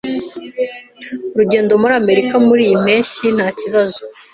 Urugendo muri Amerika muriyi mpeshyi ntakibazo.